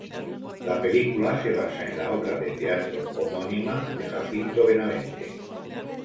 La película se basa en la obra de teatro homónima de Jacinto Benavente.